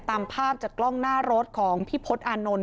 ตามภาพจากกล้องหน้ารถของพี่พศอานนท์